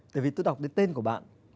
tại vì tôi đọc đến tên của bạn